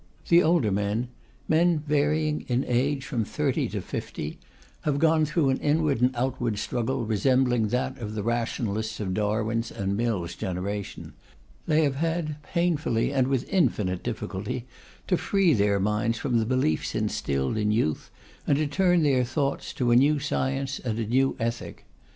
The older men men varying in age from 30 to 50 have gone through an inward and outward struggle resembling that of the rationalists of Darwin's and Mill's generation. They have had, painfully and with infinite difficulty, to free their minds from the beliefs instilled in youth, and to turn their thoughts to a new science and a new ethic.